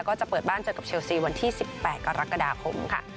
ก็จะเปิดบ้านเจอกับเชลซีวันที่๑๘กรกฎาคมค่ะ